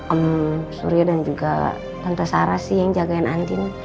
ehm surya dan juga tante sarah sih yang jagain andin